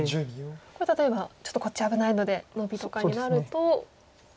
これ例えばちょっとこっち危ないのでノビとかになると。